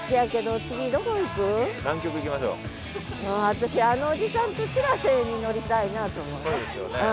もう私あのおじさんとしらせに乗りたいなと思って。